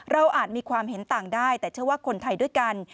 อาจมีความเห็นต่างได้แต่เชื่อว่าคนไทยด้วยกัน